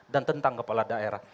dan tentang kepala daerah